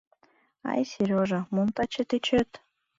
— Ай, Серёжа, мом таче тӧчет?